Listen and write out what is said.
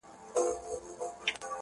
د خوبونو له گردابه يې پرواز دی~